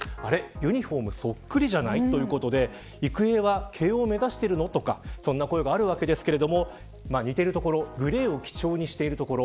ユニホームそっくりじゃないということで育英は慶応を目指しているのとかそんな声があるわけですが似ているところはグレーを基調にしているところ。